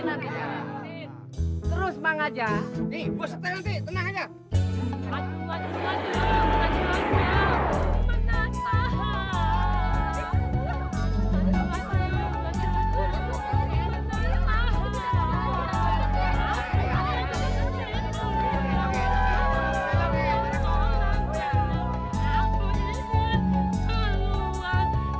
aduh aduh aduh aduh aduh aduh aduh